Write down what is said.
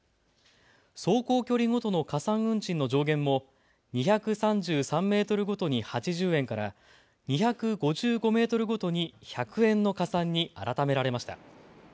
走行距離ごとの加算運賃の上限も２３３メートルごとに８０円から、２５５メートルごとに１００円の加算に改められました。